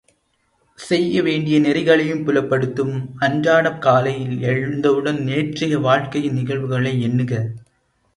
செய்ய வேண்டிய நெறிகளையும் புலப்படுத்தும், அன்றாடம் காலையில் எழுந்தவுடன் நேற்றைய வாழ்க்கையின் நிகழ்வுகளை எண்ணுக!